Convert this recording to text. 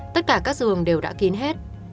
tất cả các giường đều đã kín hết